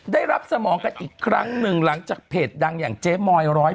ได้รับสมองกันอีกครั้งหนึ่งหลังจากเพจดังอย่างเจ๊มอย๑๐